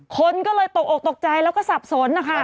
คนก็เลยตกออกตกใจแล้วก็สับสนนะคะ